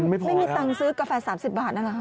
ไม่มีตังค์ซื้อกาแฟ๓๐บาทนั่นเหรอ